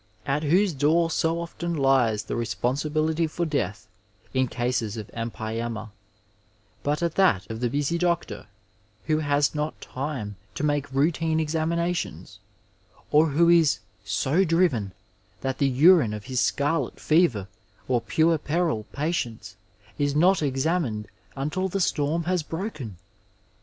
At whose door so often lies the responsibility for death in cases of empyema but at that of the busy doctor, who has not time to make routine examinations, or who is '^ so driven " that the urine of his scarlet fever or puerperal patients is not examined until the storm has broken